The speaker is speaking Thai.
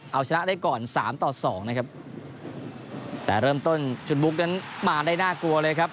เอาชนะได้ก่อนสามต่อสองนะครับแต่เริ่มต้นชุดบุ๊กนั้นมาได้น่ากลัวเลยครับ